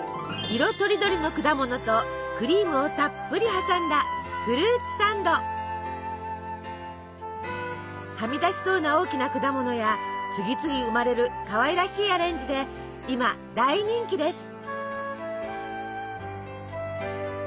色とりどりの果物とクリームをたっぷり挟んだはみ出しそうな大きな果物や次々生まれるかわいらしいアレンジで今大人気です！